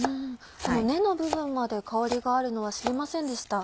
根の部分まで香りがあるのは知りませんでした。